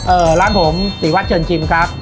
ร้านผมศรีวัดเชิญชิมครับ